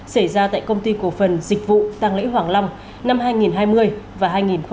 xảy ra tại công ty cổ phần dịch vụ tăng lễ hoàng long năm hai nghìn hai mươi và hai nghìn hai mươi một